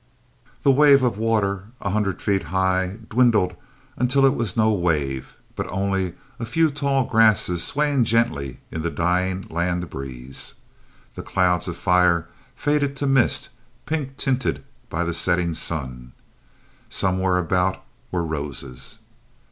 The wave of water a hundred feet high dwindled until it was no wave, but only a few tall grasses swaying gently in the dying land breeze. The clouds of fire faded to mist, pink tinted by the setting sun. Somewhere about were roses.